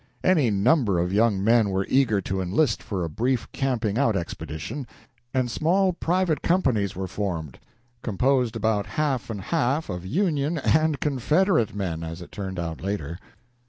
Any number of young men were eager to enlist for a brief camping out expedition, and small private companies were formed, composed about half and half of Union and Confederate men, as it turned out later.